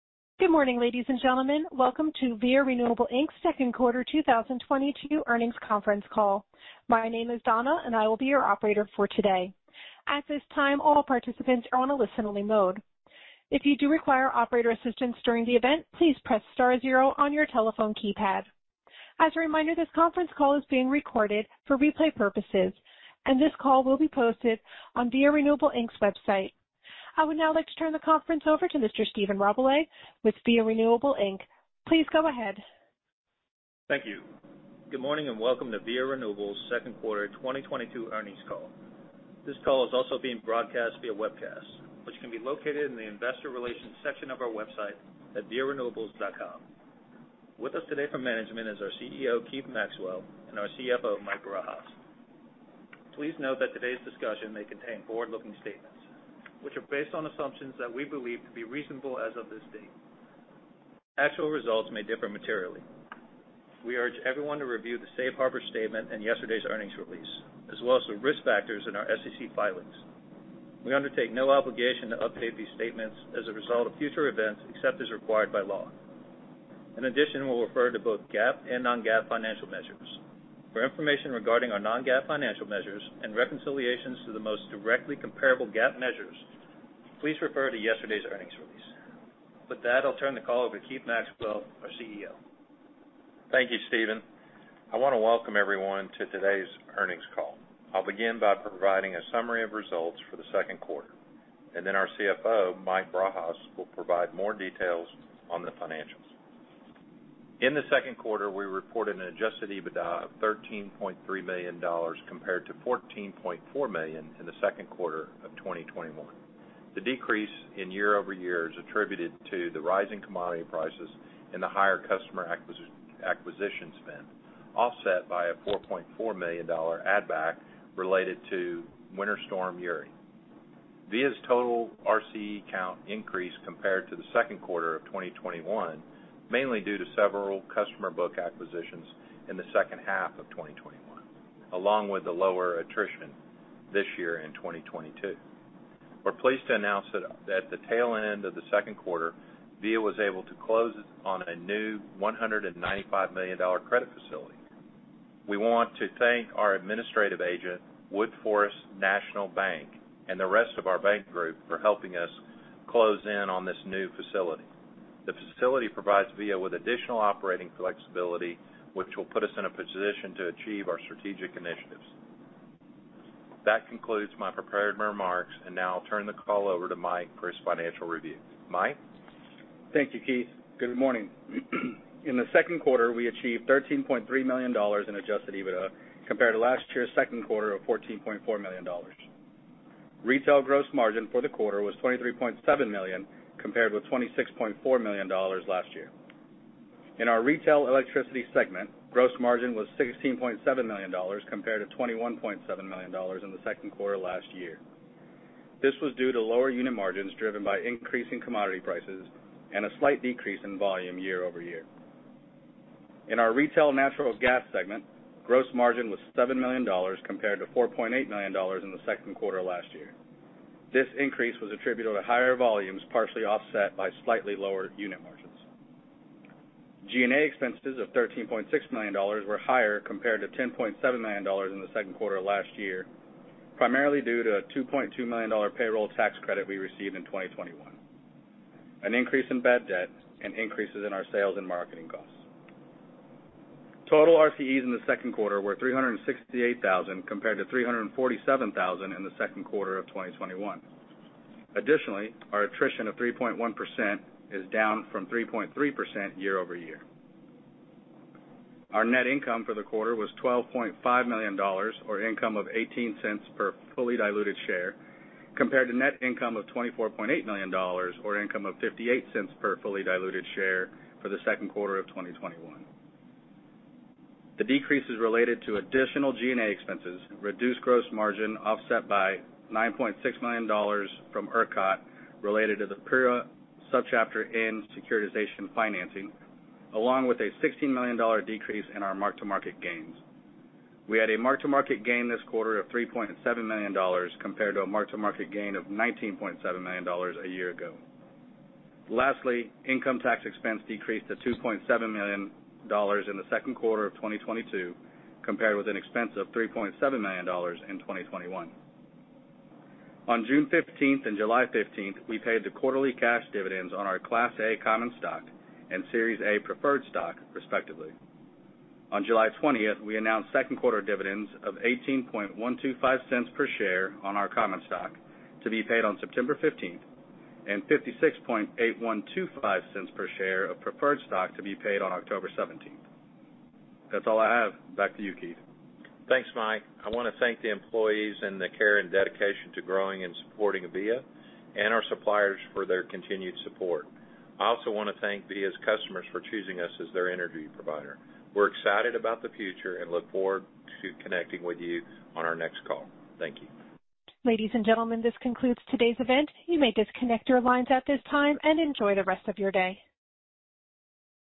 Good morning, ladies and gentlemen. Welcome to Via Renewables, Inc's second quarter 2022 earnings conference call. My name is Donna, and I will be your operator for today. At this time, all participants are on a listen-only mode. If you do require operator assistance during the event, please press star zero on your telephone keypad. As a reminder, this conference call is being recorded for replay purposes, and this call will be posted on Via Renewables, Inc's website. I would now like to turn the conference over to Mr. Stephen Rabalais with Via Renewables, Inc. Please go ahead. Thank you. Good morning and welcome to Via Renewables' second quarter 2022 earnings call. This call is also being broadcast via webcast, which can be located in the investor relations section of our website at viarenewables.com. With us today from management is our CEO, Keith Maxwell, and our CFO, Mike Barajas. Please note that today's discussion may contain forward-looking statements, which are based on assumptions that we believe to be reasonable as of this date. Actual results may differ materially. We urge everyone to review the Safe Harbor Statement in yesterday's earnings release, as well as the risk factors in our SEC filings. We undertake no obligation to update these statements as a result of future events, except as required by law. In addition, we'll refer to both GAAP and non-GAAP financial measures. For information regarding our non-GAAP financial measures and reconciliations to the most directly comparable GAAP measures, please refer to yesterday's earnings release. With that, I'll turn the call over to Keith Maxwell, our CEO. Thank you, Stephen. I wanna welcome everyone to today's earnings call. I'll begin by providing a summary of results for the second quarter, and then our CFO, Mike Barajas, will provide more details on the financials. In the second quarter, we reported an adjusted EBITDA of $13.3 million compared to $14.4 million in the second quarter of 2021. The decrease in year-over-year is attributed to the rising commodity prices and the higher customer acquisition spend, offset by a $4.4 million add back related to Winter Storm Uri. Via's total RCE count increased compared to the second quarter of 2021, mainly due to several customer book acquisitions in the second half of 2021, along with the lower attrition this year in 2022. We're pleased to announce that at the tail end of the second quarter, Via was able to close on a new $195 million credit facility. We want to thank our administrative agent, Woodforest National Bank, and the rest of our bank group for helping us close in on this new facility. The facility provides Via with additional operating flexibility, which will put us in a position to achieve our strategic initiatives. That concludes my prepared remarks, and now I'll turn the call over to Mike for his financial review. Mike? Thank you, Keith. Good morning. In the second quarter, we achieved $13.3 million in adjusted EBITDA compared to last year's second quarter of $14.4 million. Retail gross margin for the quarter was $23.7 million compared with $26.4 million last year. In our retail electricity segment, gross margin was $16.7 million compared to $21.7 million in the second quarter last year. This was due to lower unit margins driven by increasing commodity prices and a slight decrease in volume year-over-year. In our retail natural gas segment, gross margin was $7 million compared to $4.8 million in the second quarter last year. This increase was attributable to higher volumes, partially offset by slightly lower unit margins. G&A expenses of $13.6 million were higher compared to $10.7 million in the second quarter last year, primarily due to a $2.2 million payroll tax credit we received in 2021, an increase in bad debt, and increases in our sales and marketing costs. Total RCEs in the second quarter were 368,000 compared to 347,000 in the second quarter of 2021. Additionally, our attrition of 3.1% is down from 3.3% year-over-year. Our net income for the quarter was $12.5 million or income of $0.18 per fully diluted share compared to net income of $24.8 million or income of $0.58 per fully diluted share for the second quarter of 2021. The decrease is related to additional G&A expenses, reduced gross margin offset by $9.6 million from ERCOT related to the PURA Subchapter N Securitization financing, along with a $16 million decrease in our mark-to-market gains. We had a mark-to-market gain this quarter of $3.7 million compared to a mark-to-market gain of $19.7 million a year ago. Lastly, income tax expense decreased to $2.7 million in the second quarter of 2022 compared with an expense of $3.7 million in 2021. On June 15th and July 15th, we paid the quarterly cash dividends on our Class A Common Stock and Series A Preferred Stock, respectively. On July 20th, we announced second quarter dividends of $0.18125 per share on our common stock to be paid on September 15th and $0.568125 per share of preferred stock to be paid on October 17th. That's all I have. Back to you, Keith. Thanks, Mike. I wanna thank the employees and the care and dedication to growing and supporting Via and our suppliers for their continued support. I also wanna thank Via's customers for choosing us as their energy provider. We're excited about the future and look forward to connecting with you on our next call. Thank you. Ladies and gentlemen, this concludes today's event. You may disconnect your lines at this time and enjoy the rest of your day.